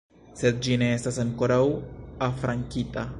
Sed ĝi ne estas ankoraŭ afrankita.